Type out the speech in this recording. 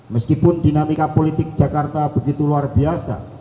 meskipun dinamika politik jakarta begitu luar biasa